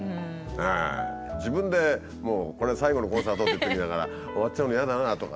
自分で「これ最後のコンサート」って言っておきながら「終わっちゃうの嫌だなあ」とか。